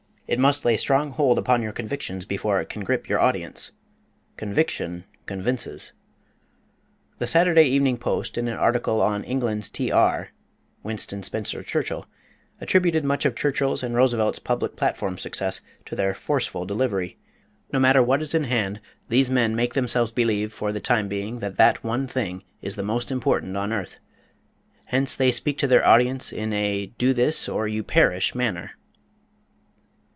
It must lay strong hold upon your convictions before it can grip your audience. Conviction convinces. The Saturday Evening Post in an article on "England's T.R." Winston Spencer Churchill attributed much of Churchill's and Roosevelt's public platform success to their forceful delivery. No matter what is in hand, these men make themselves believe for the time being that that one thing is the most important on earth. Hence they speak to their audiences in a Do this or you PERISH manner.